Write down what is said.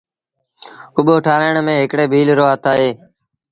ڪٻو ٺآرآڻ ميݩ هڪڙي ڀيٚل رو هٿ اهي۔